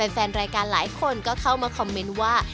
แฟนรายการหลายคนก็เข้ามาคอมเมนต์ว่า